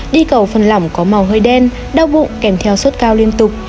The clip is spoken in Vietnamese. đi cầu phần lỏng có màu hơi đen đau bụng kèm theo suốt cao liên tục